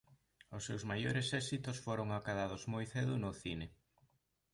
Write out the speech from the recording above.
Os seus maiores éxitos foron acadados moi cedo no cine.